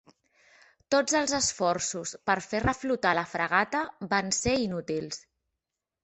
Tots els esforços per fer reflotar la fragata van ser inútils.